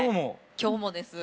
今日もです。